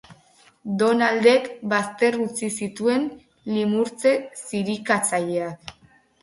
Donaldek bazter utzi zituen limurtze zirikatzaileak.